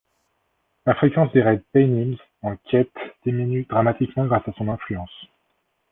La fréquence des raids paynims en Ket diminuent dramatiquement grâce à son influence.